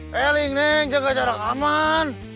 hei neng jaga jarak aman